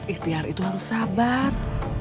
ikhtiar itu harus sabar